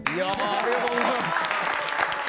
ありがとうございます。